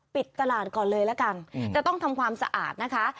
ปิดตลาดก่อนเลยละกันจะต้องทำความสะอาดนะคะ